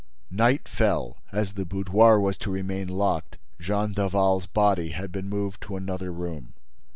Night fell. As the boudoir was to remain locked, Jean Daval's body had been moved to another room.